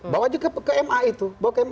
bawa juga ke ma itu